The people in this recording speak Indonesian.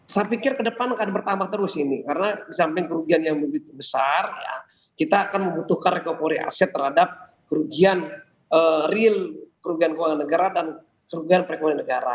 saya pikir ke depan akan bertambah terus ini karena di samping kerugian yang begitu besar kita akan membutuhkan recopori aset terhadap kerugian real kerugian keuangan negara dan kerugian perekonomian negara